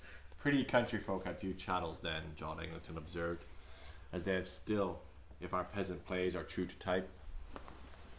—Pretty countryfolk had few chattels then, John Eglinton observed, as they have still if our peasant plays are true to type.